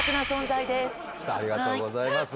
ありがとうございます。